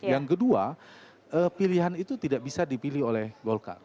yang kedua pilihan itu tidak bisa dipilih oleh golkar